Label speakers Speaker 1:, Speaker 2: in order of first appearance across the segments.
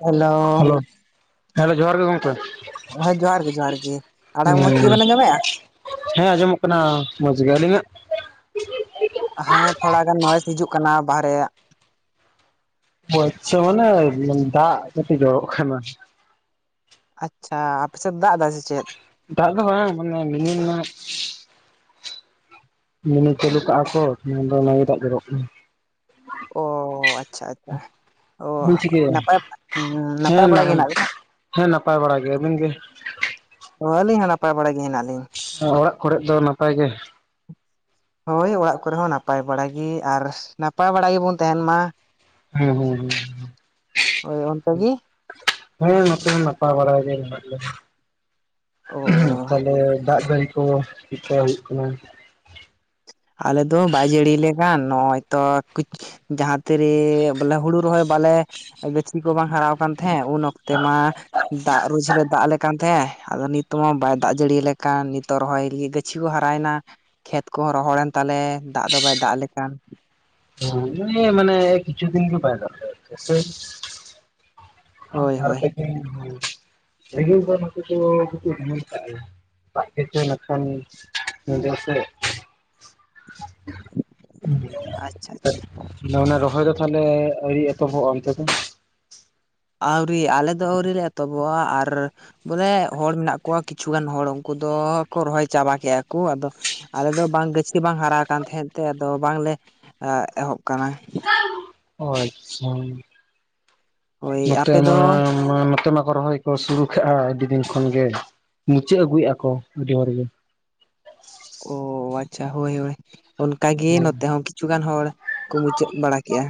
Speaker 1: Hello,
Speaker 2: hello ᱡᱚᱦᱟᱨ ᱜᱮ ᱜᱚᱝᱠᱮ
Speaker 1: ᱦᱮᱸ ᱡᱚᱸᱚᱦᱟᱨ ᱜᱮ ᱡᱚᱦᱟᱨ ᱜᱮ ᱟᱲᱟᱝ ᱢᱚᱸᱡᱽ ᱛᱮᱜᱮ ᱵᱮᱱ ᱟᱸᱡᱚᱢᱮᱜᱼᱟ?
Speaker 2: ᱦᱮᱸ ᱟᱸᱡᱚᱢᱚᱜ ᱠᱟᱱᱟ ᱢᱚᱡᱽ ᱜᱮ ᱟᱹᱞᱤᱧᱟᱜ?
Speaker 1: ᱦᱮᱸ ᱛᱷᱚᱲᱟ ᱜᱟᱱ ᱱᱚᱭᱮᱥ ᱦᱤᱡᱩᱜ ᱠᱟᱱᱟ ᱵᱟᱦᱨᱮ ᱟᱜ᱾
Speaker 2: ᱟᱪᱪᱷᱟ ᱢᱟᱱᱮ ᱫᱟᱜ ᱠᱟᱴᱤᱡ ᱡᱚᱨᱚᱜ ᱠᱟᱱᱟ᱾
Speaker 1: ᱟᱪᱪᱷᱟ ᱟᱯᱮᱥᱮᱫ ᱫᱟᱜ ᱮᱫᱟᱭ ᱥᱮ ᱪᱮᱫ?
Speaker 2: ᱫᱟ ᱫᱚ ᱵᱟᱝ ᱚᱱᱮ ᱢᱮᱱᱤ ᱨᱤᱢᱤᱞ ᱢᱮᱱᱤ ᱪᱟᱹᱞᱩ ᱠᱟᱜᱼᱟ ᱠᱚ ᱫᱚ ᱚᱱᱟ ᱜᱮ ᱫᱟᱜ ᱡᱚᱨᱚᱜ ᱠᱟᱱᱟ᱾
Speaker 1: ᱚ ᱟᱪᱪᱷᱟ ᱟᱪᱪᱷᱟ᱾ ᱚ
Speaker 2: ᱪᱮᱫ ᱵᱤᱱ ᱪᱤᱠᱟᱹᱭᱟ
Speaker 1: ᱱᱟᱯᱟᱭ ᱱᱟᱯᱟᱭ
Speaker 2: ᱦᱮᱸ
Speaker 1: ᱵᱟᱲᱟ ᱜᱮ ᱦᱮᱱᱟᱜ ᱵᱮᱱᱟ?
Speaker 2: ᱦᱮᱸ ᱱᱟᱯᱟᱭ ᱵᱟᱲᱟ ᱜᱮ ᱟᱵᱤᱱ ᱜᱮ᱾
Speaker 1: ᱚ ᱟᱹᱞᱤᱧ ᱦᱚᱸ ᱱᱟᱯᱟᱭ ᱵᱟᱲᱟ ᱜᱮ ᱦᱮᱱᱟᱜ ᱞᱤᱧ᱾
Speaker 2: ᱚᱲᱟᱜ ᱠᱚᱨᱮ ᱫᱚ ᱱᱟᱯᱟᱭ ᱜᱮ᱾
Speaker 1: ᱦᱳᱭ ᱚᱲᱟᱜ ᱠᱚᱨᱮ ᱦᱚᱸ ᱱᱟᱯᱟᱭ ᱵᱟᱲᱟᱜ ᱜᱮ ᱟᱨ ᱱᱟᱯᱟᱭ ᱵᱟᱲᱟ ᱜᱮᱵᱚᱱ ᱛᱟᱦᱮᱱ ᱢᱟ᱾
Speaker 2: ᱦᱩᱸ ᱦᱩᱸ ᱦᱩᱸ,
Speaker 1: ᱦᱳᱭ ᱚᱱᱠᱟ ᱜᱮ᱾
Speaker 2: ᱦᱮᱸ ᱱᱚᱛᱮ ᱦᱚ ᱱᱟᱯᱟᱭ ᱵᱟᱲᱟ ᱜᱮ ᱢᱮᱱᱟᱜ ᱞᱮ ᱞᱮᱭᱟ᱾
Speaker 1: ᱚ
Speaker 2: ᱛᱟᱦᱞᱮ ᱫᱟᱜ ᱡᱟᱹᱲᱤ ᱠᱚ ᱪᱮᱠᱟ ᱦᱩᱭᱩᱜ ᱠᱟᱱᱟ?
Speaker 1: ᱟᱞᱮᱫ ᱫᱚ ᱵᱟᱭ ᱡᱟᱹᱲᱤ ᱞᱮ ᱠᱟᱱ ᱱᱚᱜᱼᱚᱭ ᱛᱚᱠᱤᱪᱷᱩ ᱡᱟᱦᱟᱸ ᱛᱤᱨᱤ ᱵᱚᱞᱮ ᱦᱩᱲᱩ ᱨᱚᱦᱚᱭ ᱵᱟᱞᱮ ᱜᱟᱹᱪᱷᱤ ᱠᱚ ᱵᱟᱝ ᱦᱟᱨᱟᱣ ᱠᱟᱱ ᱦᱮᱸ ᱩᱱ ᱚᱠᱛᱮ ᱢᱟ ᱫᱟᱜ ᱨᱩᱡ ᱨᱮ ᱫᱟᱜ ᱞᱮ ᱠᱟᱱ ᱛᱟᱦᱮᱸᱫ ᱟᱫᱚ ᱱᱤᱛ ᱢᱟ ᱵᱟᱭ ᱫᱟᱜ ᱡᱟᱹᱲᱤᱭᱟ ᱞᱮ ᱠᱟᱱ ᱱᱤᱛᱚᱜ ᱨᱚᱦᱚᱭ ᱜᱟᱹᱪᱷᱤ ᱠᱚ ᱦᱟᱨᱟᱭᱮᱱᱟ᱾ ᱠᱷᱮᱛ ᱠᱚᱦᱚᱸ ᱨᱚᱦᱚᱲᱮᱱ ᱛᱟᱞᱮ ᱫᱟᱜ ᱫᱚ ᱵᱟᱭ ᱫᱟᱜ ᱞᱮᱠᱟᱱ᱾
Speaker 2: ᱱᱮ ᱮ ᱢᱟᱱᱮ ᱠᱤᱪᱩ ᱫᱤᱱ ᱠᱷᱚᱱ ᱵᱟᱭ ᱫᱟᱜ ᱫᱟ ᱥᱮ᱾
Speaker 1: ᱦᱳᱭ
Speaker 2: [inaudible]
Speaker 1: [unintelligible]
Speaker 2: ᱨᱤᱢᱤᱞ ᱠᱚ ᱠᱤᱪᱪᱷᱩ [unintelligible] ᱫᱟᱜ ᱠᱮᱪᱚᱭ ᱤᱱᱟᱹᱠᱷᱟᱱ [inaudible] ᱦᱩᱸ,
Speaker 1: ᱟᱪᱪᱷᱟ ᱟᱪᱪᱷᱟ
Speaker 2: ᱚᱱᱟ ᱨᱚᱦᱚᱭ ᱫᱚ ᱛᱟᱦᱚᱞᱮ ᱟᱹᱨᱤ ᱮᱛᱚᱦᱚᱵᱚᱜᱼᱟ ᱚᱱᱛᱮ ᱫᱚ?
Speaker 1: ᱟᱹᱣᱨᱤ ᱟᱞᱮ ᱫᱚ ᱟᱹᱣᱨ ᱞᱮ ᱮᱛᱚᱵᱚᱜᱼᱟ ᱟᱨ ᱵᱚᱞᱮ ᱦᱚᱲ ᱢᱮᱱᱟᱜ ᱠᱚᱣᱟ ᱠᱤᱪᱷᱩᱜᱟᱱ ᱦᱚᱲ ᱩᱱᱠᱩ ᱫᱚᱠᱚ ᱨᱚᱦᱚᱭ ᱪᱟᱵᱟ ᱠᱮᱫᱼᱟ ᱠᱚ ᱟᱫᱚ ᱟᱞᱮ ᱫᱚ ᱵᱟᱝ ᱜᱟᱹᱪᱷᱤ ᱵᱟᱝ ᱦᱟᱨᱟ ᱠᱟᱱ ᱛᱟᱦᱮᱸᱫ ᱛᱮ ᱟᱫᱚ ᱵᱟᱝᱞᱮ ᱮᱦᱚᱵ ᱟᱠᱟᱱᱟ᱾
Speaker 2: ᱚ ᱟᱪᱪᱷᱟ
Speaker 1: ᱦᱳᱭ
Speaker 2: ᱱᱚᱛᱮ
Speaker 1: ᱟᱯᱮ ᱫᱚ
Speaker 2: ᱢᱟ ᱱᱚᱛᱮ ᱢᱟᱠᱚ ᱨᱚᱦᱚᱭ ᱠᱚ ᱥᱩᱨᱩ ᱠᱷᱮᱜᱼᱟ ᱟᱹᱰᱤ ᱫᱤᱱ ᱠᱷᱚᱱ ᱜᱮ᱾ ᱢᱩᱪᱟᱹᱫ ᱟᱹᱜᱩᱭᱮᱫᱼᱟ ᱠᱚ ᱟᱹᱰᱤ ᱦᱚᱲᱜ ᱜᱮ᱾
Speaker 1: ᱚ ᱟᱪᱪᱷᱟ ᱦᱳᱭ ᱦᱳᱭ ᱚᱱᱠᱟᱜ ᱜᱮ
Speaker 2: ᱦᱮᱸ
Speaker 1: ᱱᱚᱛᱮ ᱦᱚᱸ ᱠᱤᱪᱷᱩ ᱜᱟᱱ ᱦᱚᱲ ᱠᱚ ᱢᱩᱪᱟᱹᱫ ᱵᱟᱲᱟ ᱠᱮᱜᱼᱟ᱾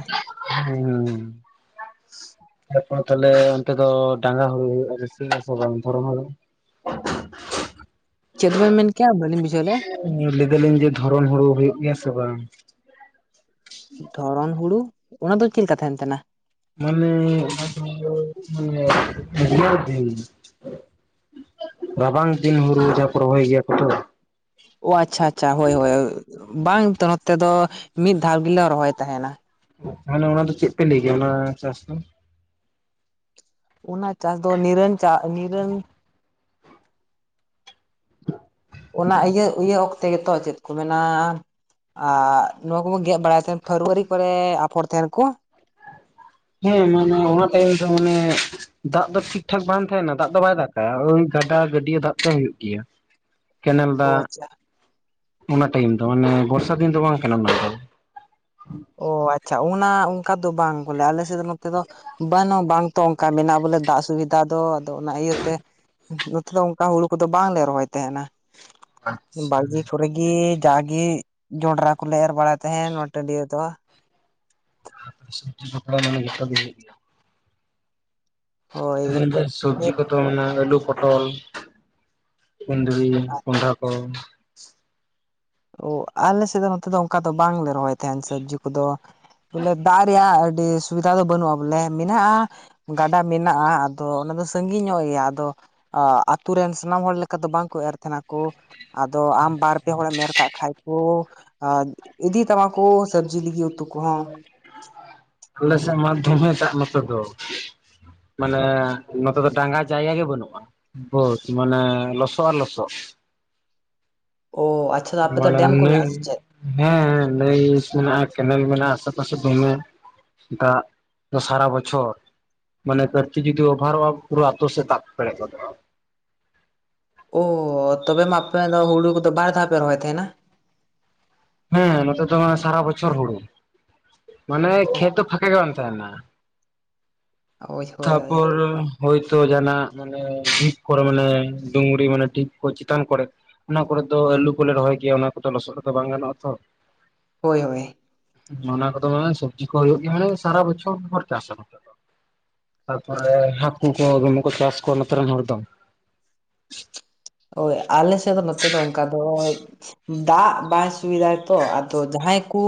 Speaker 2: ᱦᱮᱸ᱾ ᱮᱨᱯᱚᱨ ᱛᱟᱦᱚᱞᱮ ᱚᱱᱛᱮ ᱫᱚ ᱰᱟᱝᱜᱟ ᱦᱩᱲᱩ ᱦᱩᱭᱩᱜᱼᱟ ᱥᱤ ᱫᱷᱚᱨᱚᱱ ᱦᱩᱲᱩ ᱾
Speaker 1: ᱪᱮᱛ ᱵᱮᱱ ᱢᱮᱱ ᱠᱮᱜᱼᱟ ᱵᱟᱞᱤᱧ ᱵᱩᱡᱷᱟᱹᱣ ᱞᱮᱜᱼᱟ᱾
Speaker 2: ᱞᱟᱹᱭ ᱫᱟᱞᱤᱧ ᱡᱮ ᱫᱷᱚᱨᱚᱱ ᱦᱩᱲᱩ ᱦᱩᱭᱩᱜ ᱜᱮᱭᱟ ᱥᱮ ᱵᱟᱝ?
Speaker 1: ᱫᱷᱚᱨᱚᱱ ᱦᱩᱲᱩ ᱚᱱᱟ ᱫᱚ ᱪᱮᱫᱠᱟ ᱛᱟᱦᱮᱱ ᱛᱟᱦᱮᱱᱟ?
Speaker 2: ᱢᱟᱱᱮ ᱚᱱᱟᱫᱚ ᱢᱟᱱᱮ ᱩᱫᱜᱟᱹᱨ ᱫᱤᱱ? ᱨᱟᱵᱟᱝ ᱫᱤᱱ ᱦᱩᱲᱩ ᱡᱟ ᱠᱚ ᱨᱚᱦᱚᱭ ᱜᱮᱭᱟ ᱠᱚ ᱛᱚ᱾
Speaker 1: ᱚ ᱟᱪᱪᱷᱟ ᱟᱪᱪᱷᱟ ᱦᱳᱭ ᱦᱳᱭ ᱵᱟᱝ ᱱᱚᱛᱮ ᱫᱚ ᱢᱤᱫ ᱫᱷᱟᱣ ᱜᱮᱞᱮ ᱨᱚᱦᱚᱭ ᱛᱟᱦᱮᱱᱟ᱾
Speaker 2: ᱛᱟᱦᱚᱞᱮ ᱚᱱᱟ ᱫᱚ ᱪᱮᱫ ᱯᱮ ᱞᱟᱹᱭ ᱜᱮᱭᱟ ᱚᱱᱟ ᱪᱟᱥ ᱫᱚ?
Speaker 1: ᱚᱱᱟ ᱪᱟᱥ ᱫᱚ ᱱᱤᱨᱚᱱ ᱪᱟᱥ ᱱᱤᱨᱚᱱ
Speaker 2: [inaudible]
Speaker 1: ᱚᱱᱟ ᱤᱭᱟᱹ ᱤᱭᱟᱹ ᱚᱠᱛᱮ ᱜᱮᱛᱚ ᱪᱮᱫ ᱠᱚ ᱢᱮᱱᱟ ᱟᱨ ᱱᱚᱣᱟ ᱠᱚᱜᱚ ᱜᱮᱫ ᱵᱟᱲᱟᱭᱮᱫ ᱛᱟᱦᱮᱱ ᱯᱷᱮᱵᱽᱨᱩᱣᱟᱨᱤ ᱠᱚᱨᱮ ᱟᱯᱷᱚᱨ ᱛᱟᱦᱮᱱ ᱠᱚ᱾
Speaker 2: ᱦᱮᱸ ᱢᱟᱱᱮ ᱚᱱᱟ ᱴᱟᱭᱤᱢ ᱫᱚ ᱢᱟᱱᱮ ᱫᱟᱜ ᱫᱚ ᱴᱷᱤᱠᱴᱷᱟᱠ ᱵᱟᱝ ᱛᱟᱦᱮᱱᱟ ᱫᱟᱜ ᱫᱚ ᱵᱟᱭ ᱫᱟᱜ ᱳᱭ ᱜᱟᱰᱟ ᱜᱟᱹᱰᱭᱟᱹ ᱫᱟᱜ ᱛᱮ ᱦᱩᱭᱩᱜ ᱜᱮᱭᱟ᱾ ᱠᱮᱱᱮᱞ
Speaker 1: ᱚ
Speaker 2: ᱫᱟᱜ
Speaker 1: ᱟᱪᱪᱷᱟ
Speaker 2: ᱚᱱᱟ ᱴᱟᱭᱤᱢ ᱫᱚ ᱢᱟᱱᱮ ᱵᱚᱨᱥᱟ ᱫᱤᱱ ᱫᱚ ᱵᱟᱝ ᱠᱟᱱᱟ ᱚᱱᱟ ᱫᱚ᱾
Speaker 1: ᱚ ᱟᱪᱪᱷᱟ ᱚᱱᱟ ᱚᱱᱠᱟ ᱫᱚ ᱵᱟᱝ ᱠᱚ ᱞᱟᱹᱭᱟ ᱟᱞᱮᱥᱮᱫ ᱫᱚ ᱱᱚᱛᱮ ᱫᱚ ᱵᱟᱹᱱᱩᱜ ᱵᱟᱝ ᱛᱚ ᱚᱱᱠᱟ ᱢᱮᱱᱟᱜᱼᱟ ᱵᱚᱞᱮ ᱫᱟᱜ ᱥᱩᱵᱤᱫᱷᱟ ᱫᱚ ᱟᱫᱚ ᱚᱱᱟ ᱤᱭᱟᱹᱛᱮ᱾ ᱱᱚᱛᱮ ᱫᱚ ᱚᱱᱠᱟ ᱦᱩᱲᱩ ᱠᱚᱫᱚ ᱵᱟᱝᱞᱮ ᱨᱚᱦᱚᱭ ᱛᱟᱦᱮᱱᱟ, ᱵᱟᱲᱜᱮ ᱠᱚᱨᱮ ᱜᱤ ᱡᱟᱜᱮ ᱡᱚᱱᱰᱨᱟ ᱠᱚᱞᱮ ᱮᱨ ᱵᱟᱲᱟᱭ ᱛᱟᱦᱮᱸᱱ ᱱᱚᱣᱟ ᱴᱟᱺᱰᱤ ᱨᱮᱫᱚ᱾
Speaker 2: [inaudible] ᱢᱟᱱᱮ ᱡᱚᱛᱚ ᱜᱮ ᱦᱩᱭᱩᱜ᱾
Speaker 1: ᱦᱳᱭ
Speaker 2: ᱥᱚᱵᱡᱤ ᱠᱚᱫᱚ ᱢᱮᱱᱟᱜᱼᱟ ᱟᱹᱞᱩ ᱯᱚᱴᱚᱞ᱾ ᱠᱩᱸᱫᱽᱨᱤ ᱠᱚᱱᱰᱷᱟ ᱠᱚ᱾
Speaker 1: ᱚ ᱟᱞᱮ ᱥᱮᱫ ᱫᱚ ᱱᱚᱛᱮ ᱫᱚ ᱚᱱᱠᱟ ᱫᱚ ᱵᱟᱝᱞᱮ ᱨᱚᱦᱚᱭ ᱛᱟᱦᱮᱱ ᱥᱚᱵᱽᱡᱤ ᱠᱚᱫᱚ᱾ ᱵᱚᱞᱮ ᱫᱟᱜ ᱨᱮᱭᱟᱜ ᱟᱹᱰᱤ ᱥᱩᱵᱤᱫᱷᱟ ᱫᱚ ᱵᱟᱹᱱᱩᱜᱼᱟ, ᱵᱚᱞᱮ ᱢᱮᱱᱟᱜᱼᱟ ᱜᱟᱰᱟ ᱢᱮᱱᱟᱜᱼᱟ ᱟᱫᱚ ᱚᱱᱟ ᱫᱚ ᱥᱟᱺᱜᱤᱧ ᱧᱚᱜ ᱜᱮᱭᱟ ᱟᱫᱚ᱾ ᱟᱛᱩ ᱨᱮᱱ ᱥᱟᱱᱟᱢ ᱦᱚᱲ ᱞᱮᱠᱟ ᱫᱚ ᱵᱟᱝᱠᱚ ᱮᱨ ᱛᱟᱦᱮᱸᱱᱟᱠᱚ ᱟᱫᱚ ᱟᱢ ᱵᱟᱨ ᱯᱮ ᱦᱚᱲᱮᱢ ᱮᱨ ᱠᱩ ᱤᱫᱤ ᱛᱟᱢᱟ ᱠᱚ ᱥᱚᱵᱽᱡᱤ ᱞᱟᱹᱜᱤᱫ ᱩᱛᱩ ᱠᱚᱦᱚᱸ᱾
Speaker 2: ᱟᱞᱮ ᱥᱮᱫ ᱢᱟ ᱫᱷᱚᱢᱮ ᱫᱟᱜ ᱱᱚᱛᱮ ᱫᱚ᱾ ᱢᱟᱱᱮ ᱱᱚᱛᱮ ᱫᱚ ᱰᱟᱸᱜᱟ ᱡᱟᱭᱜᱟ ᱜᱮ ᱵᱟᱹᱱᱩᱜᱼᱟ᱾ ᱵᱟᱹᱫ ᱢᱟᱱᱮ ᱞᱚᱥᱚ ᱟᱨ ᱞᱚᱥᱚᱫ᱾
Speaker 1: ᱚᱻ ᱟᱪᱪᱷᱟ ᱟᱯᱮ ᱫᱚ
Speaker 2: ᱢᱟᱱᱮ
Speaker 1: ᱰᱮᱢ ᱠᱚ
Speaker 2: ᱱᱟᱹᱭ
Speaker 1: ᱢᱮᱱᱟᱜᱼᱟ ᱥᱮ ᱪᱮᱫ?
Speaker 2: ᱦᱮᱸ ᱱᱟᱹᱭ ᱢᱮᱱᱟᱜᱼᱟ, ᱠᱮᱱᱮᱞ ᱢᱮᱱᱟᱜᱼᱟ, ᱟᱥᱮ ᱯᱟᱥᱮ ᱫᱚᱢᱮ᱾ ᱫᱟᱜ ᱫᱚ ᱥᱟᱨᱟ ᱵᱚᱪᱷᱚᱨ᱾ ᱢᱟᱱᱮ ᱠᱟᱹᱴᱤᱡ ᱡᱩᱫᱤ ᱚᱵᱷᱟᱨᱚᱜᱼᱟ ᱯᱩᱨᱟᱹ ᱟᱛᱳ ᱥᱮᱜ ᱫᱟᱯ ᱯᱮᱨᱮᱡ ᱜᱚᱫᱚᱜᱼᱟ᱾
Speaker 1: ᱚ ᱛᱚᱵᱮ ᱢᱟ ᱟᱯᱮ ᱫᱚ ᱦᱩᱲᱩ ᱠᱚᱫᱚ ᱵᱟᱨ ᱫᱷᱟᱣ ᱯᱮ ᱨᱚᱦᱚᱭ ᱛᱟᱦᱮᱸᱱᱟ᱾
Speaker 2: ᱦᱮᱸ ᱱᱚᱛᱮ ᱫᱚ ᱦᱟᱸᱜ ᱥᱟᱨᱟ ᱵᱚᱪᱷᱚᱨ ᱦᱩᱲᱩ, ᱢᱟᱱᱮ ᱠᱷᱮᱛ ᱫᱚ ᱯᱷᱟᱸᱠᱟ ᱜᱮ ᱵᱟᱝ ᱛᱟᱦᱮᱱᱟ᱾
Speaker 1: ᱦᱳᱭ ᱦᱳᱭ ᱦᱳᱭ
Speaker 2: ᱛᱟᱯᱚᱨ ᱦᱳᱭᱛᱚ ᱡᱟᱱᱟᱜ ᱢᱟᱱᱮ ᱰᱷᱤᱯ ᱠᱚᱨᱮ ᱢᱟᱱᱮ ᱰᱩᱝᱨᱤ ᱢᱟᱱᱮ ᱰᱷᱤᱯ ᱠᱚ ᱪᱮᱛᱟᱱ ᱠᱚᱨᱮ ᱚᱱᱟ ᱠᱚᱨᱮᱫ ᱫᱚ ᱟᱹᱞᱩ ᱠᱚᱞᱮ ᱨᱚᱦᱚᱭ ᱜᱮᱭᱟ ᱚᱱᱟ ᱠᱚᱫᱚ ᱞᱚᱥᱚᱫ ᱦᱚᱸᱛᱚ ᱵᱟᱝ ᱜᱟᱱᱚᱜ ᱟ ᱛᱚ᱾
Speaker 1: ᱦᱳᱭ ᱦᱳᱭ᱾
Speaker 2: ᱢᱟᱱᱟ ᱠᱚᱫᱚ ᱢᱟᱱᱮ ᱥᱚᱵᱡᱤ ᱠᱚ ᱦᱩᱭᱩᱜ ᱜᱮᱭᱟ ᱢᱟᱱᱮ ᱥᱟᱨᱟ ᱵᱚᱪᱷᱚᱨ ᱵᱷᱚᱨ ᱪᱟᱥᱟ ᱠᱚ ᱾ ᱛᱟᱨᱯᱚᱨᱮ ᱦᱟᱹᱠᱩ ᱠᱚ ᱫᱚᱢᱮ ᱠᱚ ᱪᱟᱥ ᱠᱚᱣᱟ ᱱᱚᱛᱮᱨᱮᱱ ᱦᱚᱲ ᱫᱚ᱾
Speaker 1: ᱳᱭ ᱟᱞᱮᱥᱮᱜ ᱫᱚ ᱱᱚᱛᱮ ᱫᱚ ᱚᱱᱠᱟ ᱫᱚᱡ ᱫᱟᱜ ᱵᱟᱭ ᱥᱩᱭᱫᱟᱭ ᱛᱚ ᱟᱫᱚ ᱡᱟᱦᱟᱸᱭ ᱠᱩ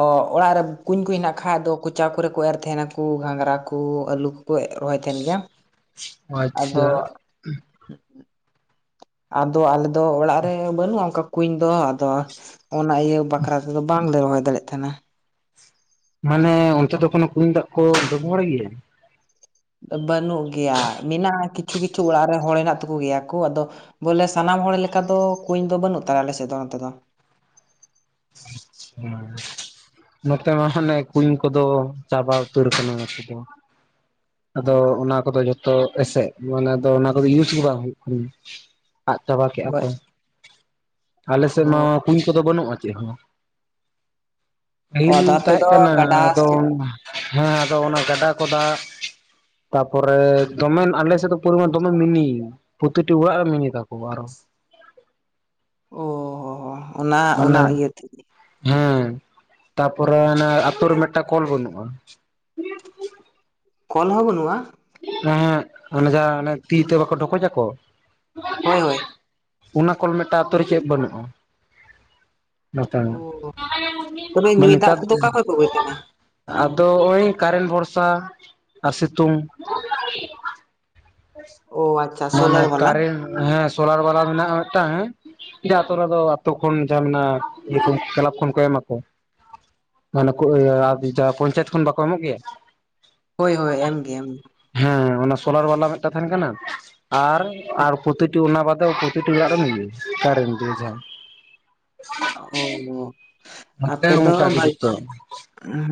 Speaker 1: ᱚᱻ ᱚᱲᱟᱜ ᱨᱮ ᱠᱩᱧ ᱠᱚ ᱦᱮᱱᱟᱜ ᱠᱷᱟᱡ ᱫᱚ ᱠᱚᱪᱟ ᱠᱚᱨᱮ ᱠᱚ ᱮᱨ ᱛᱟᱦᱮᱱᱟ ᱠᱩ ᱜᱷᱟᱸᱝᱽᱨᱟ ᱠᱩ, ᱟᱞᱩ ᱠᱚ ᱨᱚᱦᱚᱭ ᱛᱟᱦᱮᱱ ᱜᱮᱭᱟ᱾ ᱟᱫᱚ
Speaker 2: ᱟᱪᱪᱷᱟ᱾
Speaker 1: ᱟᱫᱚ ᱟᱞᱮ ᱫᱚ ᱚᱲᱟᱜ ᱨᱮ ᱵᱟᱹᱱᱩᱜᱼᱟ ᱚᱱᱠᱟ ᱠᱩᱧ ᱫᱚ ᱟᱫᱚ ᱚᱱᱟ ᱤᱭᱟᱹ ᱵᱟᱠᱷᱨᱟ ᱛᱮᱫᱚ ᱵᱟᱝ ᱞᱮ ᱨᱚᱦᱚᱭ ᱫᱟᱲᱭᱟᱜ ᱛᱟᱦᱮᱱᱟ᱾
Speaker 2: ᱢᱟᱱᱮ ᱚᱱᱛᱮ ᱫᱚ ᱠᱚᱱᱳ ᱠᱩᱧ ᱫᱟᱜ ᱠᱚ ᱵᱮᱵᱚᱦᱟᱨ ᱜᱮᱭᱟ?
Speaker 1: ᱵᱟᱹᱱᱩᱜ ᱜᱮᱭᱟ, ᱢᱮᱱᱟᱜᱼᱟ ᱠᱤᱪᱷᱩ ᱠᱤᱪᱷᱩ ᱚᱲᱟᱜ ᱨᱮ ᱦᱚᱲ ᱦᱮᱱᱟᱜ ᱛᱟᱠᱚ ᱜᱮᱭᱟ ᱠᱚ ᱟᱫᱚ ᱵᱚᱞᱮ ᱥᱟᱱᱟᱢ ᱦᱚᱲ ᱞᱮᱠᱟ ᱫᱚ ᱠᱩᱧ ᱫᱚ ᱵᱟᱹᱱᱩᱜ ᱛᱟᱞᱮ ᱟᱞᱮ ᱥᱮᱫ ᱫᱚ ᱱᱚᱛᱮ ᱫᱚ᱾
Speaker 2: ᱦᱮᱸ ᱱᱚᱛᱮ ᱢᱟ ᱦᱟᱱᱮ ᱠᱩᱧ ᱠᱚᱫᱚ ᱪᱟᱵᱟ ᱩᱛᱟᱹᱨ ᱠᱟᱱᱟ ᱱᱚᱛᱮ ᱫᱚ᱾ ᱟᱫᱚ ᱚᱱᱟ ᱠᱚᱫᱚ ᱡᱷᱚᱛᱚ ᱮᱥᱮᱫ ᱢᱟᱱᱮ ᱚᱱᱟ ᱠᱚᱫᱚ ᱤᱭᱩᱡᱽ ᱜᱮ ᱵᱟᱝ ᱦᱩᱭᱩᱜ ᱠᱟᱱᱟ᱾
Speaker 1: [inaudible]
Speaker 2: ᱟᱫ ᱪᱟᱵᱟ ᱠᱮᱜᱼᱟ
Speaker 1: ᱦᱳᱭ
Speaker 2: ᱠᱚ ᱟᱞᱮ ᱥᱮᱫ ᱢᱟ ᱠᱩᱧ ᱠᱚᱫᱚ ᱵᱟᱹᱱᱩᱜᱼᱟ ᱪᱮᱫ ᱦᱚᱸ᱾
Speaker 1: ᱚ
Speaker 2: ᱯᱟᱹᱦᱤᱞ
Speaker 1: ᱟᱫᱚ ᱟᱯᱮ
Speaker 2: ᱛᱟᱦᱮᱸᱜ
Speaker 1: ᱫᱚ
Speaker 2: ᱠᱟᱱᱟ
Speaker 1: ᱜᱟᱰᱟ
Speaker 2: ᱟᱫᱚ ᱦᱮᱸ ᱟᱫᱚ ᱚᱱᱟ ᱜᱟᱰᱟ ᱠᱚ ᱫᱟᱜ ᱛᱟᱯᱚᱨᱮ ᱫᱚᱢᱮᱱ ᱟᱞᱮ ᱥᱮᱫ ᱫᱚ ᱯᱚᱨᱤᱢᱟᱱ ᱫᱚᱢᱮ ᱢᱤᱱᱤᱭ᱾ ᱯᱨᱚᱛᱤᱴᱤ ᱚᱲᱟᱜ ᱨᱮ ᱢᱤᱱᱤ ᱛᱟᱠᱚ ᱟᱨᱚᱥ
Speaker 1: ᱳ ᱚᱻᱦᱚ ᱦᱚ ᱚᱱᱟ, ᱚᱱᱟ
Speaker 2: ᱢᱟᱱᱮ
Speaker 1: ᱤᱭᱟᱹ ᱛᱮ
Speaker 2: ᱦᱮᱸ ᱛᱟᱯᱚᱨᱮ ᱦᱟᱱᱮ ᱟᱛᱳ ᱨᱮ ᱢᱮᱜᱴᱟᱝ ᱠᱚᱞ ᱵᱟᱹᱱᱩᱜᱼᱟ᱾
Speaker 1: ᱠᱚᱞ ᱦᱚᱸ ᱵᱟᱹᱱᱩᱜᱼᱟ?
Speaker 2: ᱮᱸᱦᱮᱸᱜ ᱚᱱᱮ ᱡᱟᱦᱟ ᱚᱱᱮ ᱛᱤ ᱛᱮ ᱵᱟᱠᱚ ᱰᱷᱚᱠᱚᱡᱟᱠᱚ
Speaker 1: ᱦᱳᱭ ᱦᱳᱭ᱾
Speaker 2: ᱚᱱᱟ ᱠᱚᱞ ᱢᱮᱫᱴᱟᱝ ᱟᱛᱳ ᱨᱮ ᱪᱮᱫ ᱵᱟᱹᱱᱩᱜᱼᱟ᱾ ᱢᱮᱫᱴᱟᱝ
Speaker 1: ᱚ
Speaker 2: ᱦᱚᱸ
Speaker 1: ᱛᱚᱵᱮ
Speaker 2: ᱢᱟᱱᱮ
Speaker 1: ᱧᱩᱭ ᱫᱟᱜ
Speaker 2: ᱱᱮᱛᱟᱨ
Speaker 1: ᱠᱚᱫᱚ ᱚᱠᱟ ᱠᱷᱚᱡ ᱯᱮ ᱟᱹᱜᱩᱭ ᱛᱟᱦᱮᱱᱟ
Speaker 2: ᱟᱫᱚ ᱦᱚᱜᱼᱚᱭ ᱠᱟᱨᱮᱱ ᱵᱷᱚᱨᱥᱟ ᱟᱨ ᱥᱤᱛᱩᱝ᱾
Speaker 1: ᱚ ᱟᱪᱪᱷᱟ
Speaker 2: ᱢᱟᱱᱮ
Speaker 1: ᱥᱳᱞᱟᱨ ᱵᱟᱞᱟ
Speaker 2: ᱠᱟᱨᱮᱱᱴ ᱦᱮᱸ ᱥᱳᱞᱟᱨ ᱵᱟᱞᱟ ᱢᱮᱱᱟᱜᱼᱟ ᱢᱮᱫᱴᱟᱝ ᱦᱮᱸ᱾ ᱡᱟ ᱟᱛᱳ ᱨᱮᱫᱚ ᱟᱛᱳ ᱠᱷᱚᱱ ᱡᱟᱦᱟᱸ ᱢᱮᱱᱟᱜ-ᱟ ᱤᱭᱟᱹ ᱠᱚ ᱠᱮᱞᱟᱵᱽ ᱠᱷᱚᱱ ᱠᱚ ᱮᱢᱟ ᱠᱚ᱾ ᱢᱟᱱᱮ ᱠᱷᱩᱵ ᱤᱭᱟᱹ ᱟᱨᱡᱤ ᱡᱟᱦᱟ ᱯᱚᱧᱪᱟᱭᱤᱛ ᱠᱷᱚᱱ ᱵᱟᱠᱚ ᱮᱢᱚᱜ ᱜᱮᱭᱟ᱾
Speaker 1: ᱦᱳᱭ ᱦᱳᱭ ᱮᱢᱜᱮ ᱮᱢ
Speaker 2: ᱦᱮᱸ ᱚᱱᱟ ᱥᱳᱞᱟᱨ ᱵᱟᱞᱟ ᱢᱮᱫᱴᱟᱝ ᱛᱟᱦᱮᱱ ᱠᱟᱱᱟ ᱟᱨ, ᱟᱨ ᱯᱨᱚᱛᱤᱴᱤ ᱚᱱᱟ ᱵᱟᱫᱮ ᱯᱨᱟᱛᱤᱴᱤ ᱚᱲᱟᱜ ᱨᱮ ᱢᱤᱱᱤ ᱠᱟᱨᱮᱱᱴ ᱫᱤᱭᱮ ᱡᱟᱦᱟᱸ᱾
Speaker 1: ᱦᱚᱸ ᱟᱱᱟᱦᱚᱸ ᱾
Speaker 2: ᱦᱟᱱᱛᱮ ᱦᱚᱸ ᱚᱱᱠᱟ ᱜᱮ ᱡᱚᱛᱚ ᱾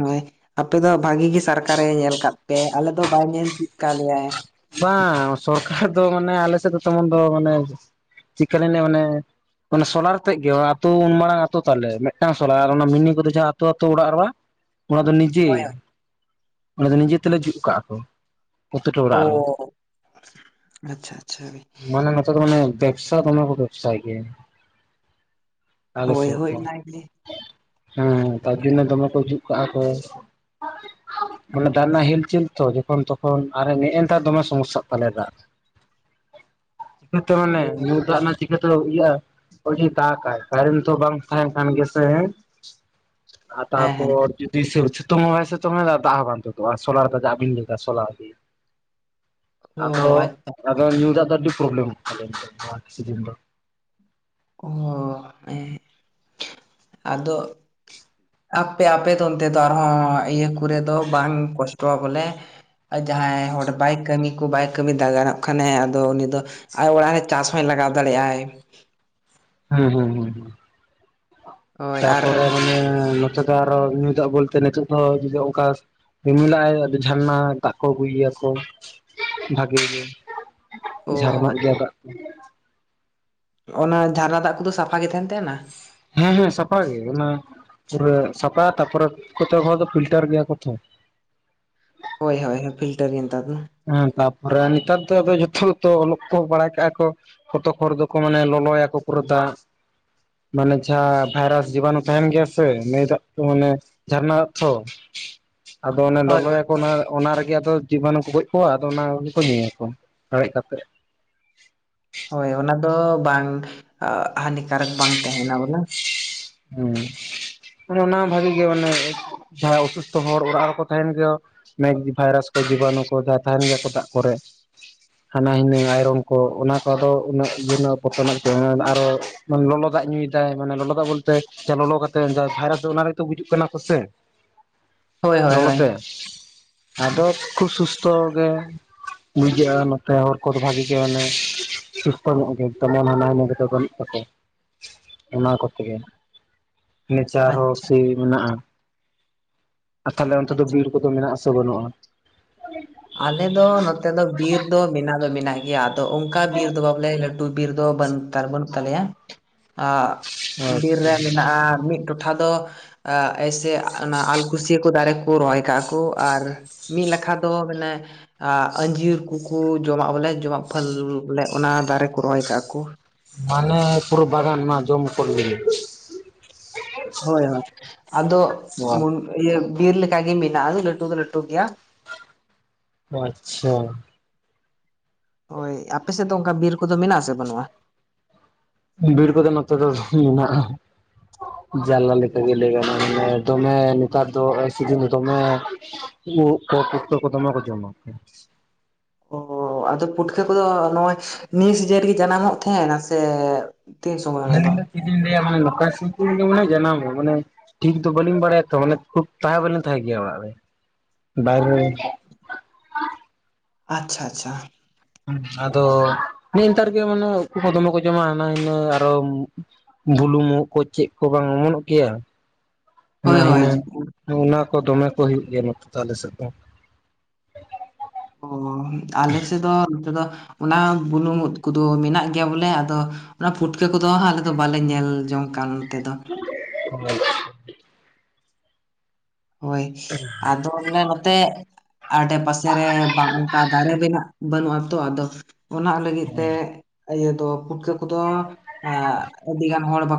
Speaker 1: ᱦᱳᱭ ᱟᱯᱮ ᱫᱚ ᱵᱷᱟᱜᱤ ᱜᱮ ᱥᱚᱨᱠᱟᱨᱮ ᱧᱮᱞ ᱟᱠᱟᱜ ᱯᱮᱭᱟᱭ ᱟᱞᱮ ᱫᱚ ᱵᱟᱭ ᱧᱮᱞ ᱟᱠᱟᱫ ᱞᱮᱭᱟᱭ ᱾
Speaker 2: ᱵᱟᱝ ᱥᱚᱨᱠᱟᱨ ᱫᱚ ᱢᱟᱱᱮ ᱟᱞᱮ ᱥᱮᱫ ᱫᱚ ᱛᱮᱢᱚᱱ ᱫᱚ ᱢᱟᱱᱮ ᱪᱤᱠᱟᱹ ᱞᱮᱱᱮ ᱢᱟᱱᱮ ᱾ ᱢᱟᱱᱮ ᱥᱳᱞᱟᱨ ᱛᱮᱫ ᱜᱮ ᱟᱛᱳ ᱩᱱ ᱢᱟᱨᱟᱝ ᱟᱛᱳ ᱛᱟᱞᱮ ᱢᱮᱫᱴᱟᱝ ᱥᱳᱞᱟᱨ ᱟᱨ ᱚᱱᱟ ᱢᱤᱱᱤ ᱠᱚᱫᱚ ᱡᱟᱦᱟᱸ ᱟᱛᱳ ᱟᱛᱳ ᱚᱲᱟᱜ ᱨᱮ ᱢᱟ᱾ ᱚᱱᱟ ᱫᱚ ᱱᱤᱡᱮ
Speaker 1: ᱦᱳᱭ
Speaker 2: ᱚᱱᱟ ᱫᱚ ᱱᱤᱡᱮ ᱛᱮᱞᱮ ᱡᱩᱛ ᱠᱟᱜᱼᱟ ᱠᱚ ᱯᱨᱚᱛᱤᱴᱤ ᱚᱲᱟᱜ ᱨᱮ ᱾
Speaker 1: ᱚ ᱟᱪᱪᱷᱟ ᱟᱪᱪᱷᱟ ᱦᱳᱭ
Speaker 2: ᱢᱟᱱᱮ ᱱᱚᱛᱮ ᱫᱚ ᱢᱟᱱᱮ ᱵᱮᱵᱽᱥᱟ ᱫᱚᱢᱮ ᱠᱚ ᱵᱮᱵᱽᱥᱟᱭ ᱜᱮᱭᱟ᱾ ᱟᱞᱮ
Speaker 1: ᱦᱳᱭ
Speaker 2: ᱥᱮᱫ
Speaker 1: ᱦᱳᱭ
Speaker 2: ᱫᱚ
Speaker 1: ᱚᱱᱟᱜᱮ
Speaker 2: ᱦᱮᱸ ᱱᱮᱛᱟᱨ ᱫᱤᱱ ᱫᱚ ᱫᱚᱢᱮ ᱠᱚ ᱡᱩᱜ ᱠᱟᱜᱼᱟ ᱠᱚ᱾ ᱢᱟᱱᱮ ᱫᱟᱜ ᱨᱮᱱᱟᱜ ᱦᱮᱞᱪᱮᱞ ᱛᱚ ᱡᱚᱠᱷᱚᱱ ᱛᱚᱠᱷᱚᱱ ᱟᱨ ᱱᱮᱜᱮᱱᱮᱛᱟᱨ ᱫᱚᱢᱮ ᱥᱚᱢᱚᱥᱟᱜ ᱛᱟᱞᱮᱭᱟ ᱫᱟᱜ᱾ ᱛᱮ
Speaker 1: ᱚ
Speaker 2: ᱢᱟᱱᱮ ᱧᱩ ᱫᱟᱜ ᱨᱮᱱᱟᱜ ᱪᱤ ᱩᱱ ᱚᱠᱛᱚ ᱤᱭᱟ ᱟ ᱦᱚᱜᱚᱭ ᱡᱮ ᱫᱟᱜᱟᱭ ᱠᱟᱨᱮᱱᱴ ᱫᱚ ᱵᱟᱝ ᱛᱟᱦᱮᱱ ᱠᱟᱱ ᱜᱮ ᱥᱮ ᱟᱨ
Speaker 1: ᱦᱮᱸ ᱦᱮᱸ
Speaker 2: ᱛᱟᱨᱯᱚᱨ ᱡᱩᱫᱤ ᱥᱮ ᱥᱤᱛᱩᱝ ᱦᱚᱸ ᱵᱟᱭ ᱥᱤᱛᱩᱝ ᱟ ᱫᱟᱜ ᱦᱚᱸ ᱵᱟᱝ ᱛᱩᱫᱩᱜᱼᱟ ᱥᱳᱞᱟᱨ ᱫᱚ ᱫᱟᱜ ᱵᱤᱱ ᱞᱟᱹᱭᱫᱟ ᱥᱳᱞᱟᱨ ᱜᱮ
Speaker 1: ᱚ
Speaker 2: ᱟᱫᱟ
Speaker 1: ᱟᱪᱪᱷᱟ
Speaker 2: ᱟᱫᱟ ᱧᱩ ᱫᱟᱜ ᱫᱚ ᱟᱹᱰᱤ ᱯᱚᱵᱮᱞᱚᱢᱚᱜ ᱛᱟᱞᱮᱭᱟ ᱱᱤᱛᱚᱜ ᱫᱚ ᱠᱤᱪᱷᱩ ᱫᱤᱱ ᱫᱚ
Speaker 1: ᱚ ᱦᱚᱸ ᱮᱦᱮᱜ ᱟᱫᱚ ᱟᱯᱮ ᱟᱯᱮ ᱫᱚ ᱚᱱᱛᱮ ᱫᱚ ᱟᱨᱦᱚᱸ ᱤᱭᱟᱹ ᱠᱚᱨᱮ ᱫᱚ ᱵᱟᱝ ᱠᱚᱥᱴᱚᱜᱼᱟ ᱵᱚᱞᱮ ᱡᱟᱦᱟᱸᱭ ᱦᱚᱲ ᱵᱟᱭ ᱠᱟᱹᱢᱤ ᱠᱚ ᱵᱟᱭ ᱠᱟᱹᱢᱤ ᱫᱟ ᱜᱟᱱᱚᱜ ᱠᱷᱟᱱᱮ ᱟᱫᱚ ᱩᱱᱤ ᱫᱚ ᱟᱨ ᱚᱲᱟᱜ ᱨᱮ ᱪᱟᱥ ᱦᱚᱸᱭ ᱞᱟᱜᱟᱣ ᱫᱟᱲᱮᱭᱟᱜᱼᱟᱭ᱾
Speaker 2: ᱦᱩᱸ ᱦᱩᱸ ᱦᱩᱸ ᱦᱩᱸ ᱾
Speaker 1: ᱦᱳᱭ ᱟᱨ
Speaker 2: ᱛᱟᱯᱚᱨᱮ ᱢᱟᱱᱮ ᱱᱚᱛᱮ ᱫᱚ ᱟᱨ ᱦᱚᱸ ᱧᱩ ᱫᱟᱜ ᱵᱚᱞᱛᱮ ᱱᱤᱛᱚᱜ ᱫᱚ ᱡᱩᱫᱤ ᱚᱱᱠᱟ ᱨᱤᱢᱤᱞ ᱟᱭ ᱟᱫᱚ ᱡᱷᱟᱨᱱᱟ ᱫᱟᱜ ᱠᱚ ᱟᱹᱜᱩᱭ ᱜᱮᱭᱟᱠᱚ ᱵᱷᱟᱜᱮ ᱜᱮ᱾
Speaker 1: ᱚ
Speaker 2: ᱡᱷᱟᱨᱱᱟᱜ ᱜᱮᱭᱟ ᱫᱟᱜ ᱠᱚ᱾
Speaker 1: ᱱᱚᱜᱚᱱᱟ ᱡᱷᱟᱨᱱᱟ ᱫᱟᱜ ᱠᱚᱫᱚ ᱥᱟᱯᱷᱟ ᱜᱮ ᱛᱟᱦᱮᱱ ᱛᱟᱦᱮᱸᱱᱟ?
Speaker 2: ᱦᱮᱸ ᱦᱮᱸ ᱥᱟᱯᱷᱟ ᱜᱮ ᱚᱱᱟ ᱯᱩᱨᱟᱹ ᱥᱟᱯᱟ ᱛᱟᱨᱯᱚᱨ ᱠᱚᱛᱚᱜ ᱦᱚᱲ ᱫᱚ ᱯᱷᱤᱞᱴᱟᱨ ᱜᱮᱭᱟ ᱠᱚ ᱛᱚ᱾
Speaker 1: ᱦᱳᱭ ᱦᱳᱭ ᱦᱳᱭ ᱯᱷᱤᱞᱴᱟᱨ ᱜᱮ ᱱᱮᱛᱟᱨ ᱫᱚ᱾
Speaker 2: ᱦᱮᱸ ᱛᱟᱯᱚᱨᱮ ᱱᱮᱛᱟᱨ ᱫᱚ ᱟᱫᱚ ᱡᱚᱛᱚ ᱛᱚ ᱚᱞᱚᱜ ᱛᱚ ᱵᱟᱲᱟᱭ ᱠᱟᱜᱼᱟ ᱠᱚ᱾ ᱠᱚᱛᱚᱠ ᱦᱚᱲ ᱫᱚᱠᱚ ᱢᱟᱱᱮ ᱞᱚᱞᱚᱭᱟᱠᱚ ᱯᱩᱨᱟᱹ ᱫᱟᱜ᱾ ᱢᱟᱱᱮ ᱡᱟᱦᱟᱸ ᱵᱷᱟᱭᱨᱟᱥ ᱡᱤᱵᱟᱱᱩ ᱛᱟᱦᱮᱱ ᱜᱮᱭᱟ ᱥᱮ ᱱᱤᱭᱟᱹ ᱫᱟᱜ ᱫᱚ ᱢᱟᱱᱮ ᱡᱷᱟᱨᱱᱟᱜ-ᱟ ᱛᱚ ᱟᱫᱚ ᱚᱱᱮ
Speaker 1: ᱦᱳᱭ ᱦᱳᱭ
Speaker 2: ᱞᱚᱞᱚᱭᱟᱠᱚ ᱚᱱᱟ ᱨᱮᱜᱮ ᱟᱫᱚ ᱡᱤᱵᱟᱱᱩ ᱠᱚ ᱜᱚᱡ ᱠᱚ ᱟᱫᱚ ᱚᱱᱟᱜᱮ ᱠᱚ ᱧᱩᱭᱟᱠᱚ ᱨᱟᱲᱮᱡ ᱠᱟᱛᱮ᱾
Speaker 1: ᱦᱳᱭ ᱚᱱᱟ ᱫᱚ ᱵᱟᱝ ᱦᱟᱱᱤᱠᱟᱨᱚᱠ ᱵᱟᱝ ᱛᱟᱦᱮᱱᱟ ᱵᱚᱞᱮ᱾
Speaker 2: ᱦᱩᱸ ᱢᱟᱱᱮ ᱚᱱᱟ ᱦᱚᱸ ᱵᱷᱟᱜᱤ ᱜᱮ ᱢᱟᱱᱮ ᱡᱟᱦᱟᱸ ᱚᱥᱩᱥᱛᱷᱚ ᱦᱚᱲ ᱚᱲᱟᱜ ᱨᱮᱠᱚ ᱛᱟᱦᱮᱱ ᱜᱮᱭᱟ ᱢᱮᱜ ᱵᱷᱟᱭᱨᱟᱥ ᱠᱚ ᱡᱤᱵᱟᱱᱩ ᱠᱚ ᱡᱟᱦᱟᱸ ᱛᱟᱦᱮᱱ ᱜᱮᱭᱟ ᱠᱚ ᱫᱟᱜ ᱠᱚᱨᱮ ᱦᱟᱱᱟ ᱦᱩᱱᱟᱹ ᱟᱭᱨᱚᱱ ᱠᱚ ᱚᱱᱟ ᱠᱚ ᱟᱫᱚ ᱩᱱᱟᱹᱜ ᱤᱭᱟᱹ ᱨᱮᱱᱟᱜ ᱵᱚᱨᱚᱛᱚᱱᱟᱜ ᱟᱨᱚ ᱢᱟᱱᱮ ᱞᱚᱞᱚ ᱫᱟᱜ ᱧᱩᱭᱫᱟᱭ ᱢᱟᱱᱮ ᱞᱚᱞᱚ ᱫᱟᱜ ᱵᱚᱞ ᱛᱮ ᱞᱚᱞᱚ ᱠᱟᱛᱮ ᱵᱷᱟᱭᱨᱟᱥ ᱫᱚ ᱚᱱᱟ ᱨᱮᱜᱮᱛᱚ ᱵᱩᱡᱩᱜ ᱠᱟᱱᱟ ᱠᱚ ᱥᱮ᱾
Speaker 1: ᱦᱳᱭ ᱦᱳᱭ
Speaker 2: ᱞᱚᱞᱚ
Speaker 1: ᱦᱳᱭ
Speaker 2: ᱛᱮ ᱟᱫᱚ ᱠᱷᱩᱵ ᱥᱩᱥᱛᱷᱚ ᱜᱮ ᱵᱩᱡᱷᱟᱹᱜᱼᱟ ᱱᱚᱛᱮ ᱦᱚᱲ ᱠᱚᱫᱚ ᱵᱷᱟᱜᱤ ᱜᱮ ᱢᱟᱱᱮ ᱥᱩᱥᱛᱚ ᱧᱚᱜ ᱜᱮ ᱛᱮᱢᱚᱱ ᱦᱟᱱᱟ ᱱᱤᱭᱟ ᱫᱚ ᱵᱟᱱᱩᱜ ᱛᱟᱠᱚᱣᱟ ᱚᱱᱟ ᱠᱚ ᱛᱮ ᱜᱮ ᱱᱮᱪᱟᱨ ᱦᱚᱸ
Speaker 1: ᱟᱪᱪᱷᱟ
Speaker 2: ᱥᱤ ᱢᱮᱱᱟᱜᱼᱟ ᱛᱟᱦᱚᱞᱮ ᱚᱱᱛᱮ ᱫᱚ
Speaker 1: ᱟᱪᱪᱷᱟ
Speaker 2: ᱵᱤᱨ ᱠᱚᱫᱚ ᱢᱮᱱᱟᱜ ᱟᱥᱮ ᱵᱟᱹᱱᱩᱜᱼᱟ?
Speaker 1: ᱟᱞᱮ ᱫᱚ ᱱᱚᱛᱮ ᱫᱚ ᱵᱤᱨ ᱫᱚ ᱢᱮᱱᱟᱜ ᱫᱚ ᱢᱮᱱᱟᱜ ᱜᱮᱭᱟ ᱟᱫᱚ ᱚᱱᱠᱟ ᱵᱤᱨ ᱫᱚ ᱵᱟ ᱟᱞᱮ ᱞᱟᱹᱴᱩ ᱵᱤᱨ ᱫᱚ ᱵᱟᱹᱱ ᱛᱟᱨ ᱵᱟᱹᱱᱩᱜ ᱛᱟᱞᱮᱭᱟ ᱟ ᱵᱤᱨ
Speaker 2: ᱟᱪᱪᱷᱟ
Speaker 1: ᱨᱮ ᱢᱮᱱᱟᱜᱼᱟ ᱢᱤᱫ ᱴᱚᱴᱷᱟ ᱫᱚ ᱮᱥᱮ ᱚᱱᱟ ᱟᱞᱠᱷᱩᱥᱤᱭᱟᱹ ᱠᱚ ᱫᱟᱨᱮ ᱠᱚ ᱨᱚᱦᱚᱭ ᱠᱟᱜᱼᱟ ᱠᱚ ᱟᱨ ᱢᱤᱫ ᱞᱮᱠᱷᱟ ᱫᱚ [unintelligible] ᱟ ᱟᱸᱡᱤᱨ ᱠᱚᱠᱚ ᱡᱚᱢᱟᱜ ᱵᱚᱞᱮ ᱡᱚᱢᱟᱜ ᱯᱷᱟᱞ ᱵᱚᱞᱮ ᱚᱱᱟ ᱫᱟᱨᱮ ᱠᱚ ᱨᱚᱦᱚᱭ ᱠᱟᱜᱼᱟ
Speaker 2: ᱢᱟᱱᱮ ᱯᱩᱨᱟᱹ ᱵᱟᱜᱟᱱ ᱢᱟ ᱡᱚᱢ ᱠᱚ ᱯᱷᱚᱞ ᱜᱤᱰᱤ
Speaker 1: ᱦᱳᱭ ᱦᱳᱭ ᱟᱫᱚ ᱤᱭᱟᱹ ᱵᱤᱨ ᱞᱮᱠᱟ ᱜᱮ ᱢᱮᱱᱟᱜᱼᱟ ᱟᱫᱚ ᱞᱟᱹᱴᱩ ᱫᱚ ᱞᱟᱹᱴᱩ ᱜᱮᱭᱟ᱾
Speaker 2: ᱚ ᱟᱪᱪᱷᱟ᱾
Speaker 1: ᱦᱳᱭ ᱟᱯᱮ ᱥᱮᱫ ᱫᱚ ᱚᱱᱠᱟ ᱵᱤᱨ ᱠᱚᱫᱚ ᱢᱮᱱᱟᱜ-ᱟ ᱥᱮ ᱵᱟᱹᱱᱩᱜ-ᱟ?
Speaker 2: ᱵᱤᱨᱤ‌ᱠᱚᱫᱚ ᱱᱚᱛᱮ ᱫᱚ ᱢᱮᱱᱟᱜᱼᱟ ᱡᱟᱞᱞᱟ ᱞᱮᱠᱟ ᱜᱮ ᱞᱟᱹᱭ ᱜᱟᱱᱚᱜᱼᱟ᱾ ᱫᱚᱢᱮ ᱱᱮᱛᱟᱨ ᱫᱚ [unintelligible] ᱥᱤᱡᱤᱱ ᱫᱚ ᱫᱚᱢᱮᱼᱼ ᱩᱫ ᱠᱚ ᱯᱩᱴᱠᱟᱹ ᱠᱚ ᱫᱚᱢᱮ ᱠᱚ ᱡᱚᱢᱟ᱾
Speaker 1: ᱚ ᱟᱫᱚ ᱯᱩᱴᱠᱟᱹ ᱠᱚᱫᱚ ᱱᱚᱜᱼᱚᱭ ᱱᱤᱭᱟᱹ ᱥᱤᱡᱤᱱ ᱨᱮᱜᱮ ᱡᱟᱱᱟᱢᱚᱜ ᱛᱟᱦᱮᱱᱟ ᱥᱮᱼᱼ
Speaker 2: [inaudible] ᱪᱮᱫ ᱞᱤᱧ ᱞᱟᱹᱭᱟ ᱢᱟᱱᱮ ᱱᱚᱝᱠᱟ ᱥᱤᱡᱤᱱ ᱜᱮ ᱢᱟᱱᱮ ᱡᱟᱱᱟᱢᱼᱟ ᱢᱟᱱᱮᱼᱼ ᱴᱷᱤᱠ ᱫᱚ ᱵᱟᱹᱞᱤᱧ ᱵᱟᱲᱟᱭᱟ ᱛᱚ ᱢᱟᱱᱮ ᱠᱷᱩᱵ ᱛᱟᱦᱮᱸ ᱵᱟᱹᱞᱤᱧ ᱛᱟᱦᱮᱸᱱ ᱜᱮᱭᱟ ᱚᱲᱟᱜ ᱨᱮ ᱵᱟᱭᱨᱮᱼᱼ
Speaker 1: ᱟᱪᱪᱷᱟ ᱟᱪᱪᱷᱟ᱾
Speaker 2: ᱟᱫᱚ ᱱᱮᱜᱼᱮ ᱱᱮᱛᱟᱨ ᱜᱮ ᱢᱟᱱᱮ ᱩᱫ ᱠᱚ ᱫᱚᱢᱮ ᱠᱚ ᱡᱚᱢᱟ ᱦᱟᱱᱟ ᱦᱤᱱᱟᱹ ᱟᱨᱚᱼᱼ ᱵᱩᱱᱩᱢ ᱩᱫ ᱠᱚ ᱪᱮᱫ ᱠᱚ ᱵᱟᱝ ᱚᱢᱚᱱᱚᱜ ᱜᱮᱭᱟᱼᱼ
Speaker 1: ᱦᱳᱭ
Speaker 2: ᱦᱟᱱᱟ
Speaker 1: ᱦᱳᱭ
Speaker 2: ᱦᱤᱱᱟᱹ ᱚᱱᱟ ᱠᱚ ᱫᱚᱢᱮ ᱠᱚ ᱦᱩᱭᱩᱜ ᱜᱮᱭᱟ ᱱᱚᱛᱮ ᱫᱚ ᱟᱞᱮ ᱥᱮᱫ ᱫᱚ᱾
Speaker 1: ᱚ ᱟᱞᱮ ᱥᱮᱫ ᱫᱚ [unintelligible] ᱚᱱᱟ ᱵᱩᱱᱩᱢ ᱩᱫ ᱠᱚᱫᱚ ᱢᱮᱱᱟᱜ ᱜᱮᱭᱟ ᱵᱚᱞᱮ ᱟᱫᱚ ᱚᱱᱟ ᱯᱩᱴᱠᱟᱹ ᱠᱚᱫᱚ ᱟᱞᱮ ᱫᱚ ᱵᱟᱞᱮ ᱧᱮᱞ ᱡᱚᱝᱼᱼ ᱠᱟᱱ ᱛᱮᱫᱚ᱾
Speaker 2: [inaudible]
Speaker 1: ᱦᱳᱭ ᱟᱫᱚ ᱢᱟᱱᱮᱼᱼ ᱛᱮ ᱟᱰᱮ ᱯᱟᱥᱮ ᱨᱮ ᱵᱟᱝ ᱚᱱᱠᱟ ᱫᱟᱨᱮ ᱵᱮᱱᱟᱜ ᱵᱟᱹᱱᱩᱜᱼᱟ ᱛᱚ ᱟᱫᱚᱼᱼ ᱚᱱᱟ ᱞᱟᱹᱜᱤᱫ ᱛᱮ ᱤᱭᱟᱹ ᱫᱚ ᱯᱩᱴᱠᱟᱹ ᱠᱚᱫᱚ ᱟ ᱟᱹᱰᱤ ᱜᱟᱱ ᱦᱚᱲ ᱵᱟᱠᱚᱼᱼ